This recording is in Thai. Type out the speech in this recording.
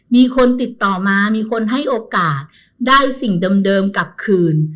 มีคนติดต่อมามีคนให้โอกาสได้สิ่งเดิมกลับคืน